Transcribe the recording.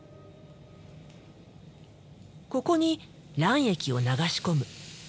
ここに卵液を流し込む。